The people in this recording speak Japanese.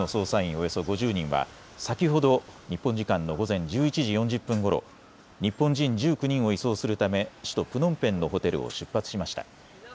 およそ５０人は先ほど日本時間の午前１１時４０分ごろ日本人１９人を移送するため首都プノンペンのホテルを出発しました。